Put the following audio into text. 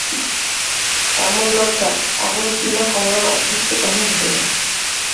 এমন লজ্জা, এমন ঘৃণা কমলার অদৃষ্টে কেন ঘটিল!